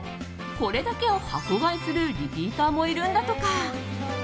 これだけを箱買いするリピーターもいるんだとか。